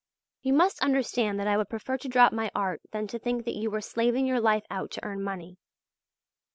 You must understand that I would prefer to drop my art than to think that you were slaving your life out to earn money.